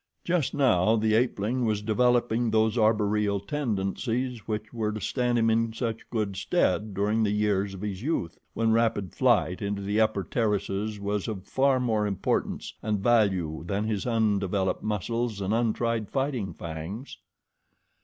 Just now the apeling was developing those arboreal tendencies which were to stand him in such good stead during the years of his youth, when rapid flight into the upper terraces was of far more importance and value than his undeveloped muscles and untried fighting fangs.